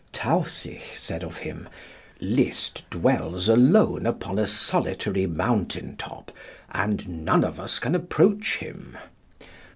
Tausig said of him: "Liszt dwells alone upon a solitary mountain top and none of us can approach him."